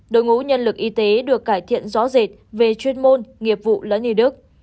đội ngũ nhân lực y tế được cải thiện rõ rệt về chuyên môn nghiệp vụ lẫn y đức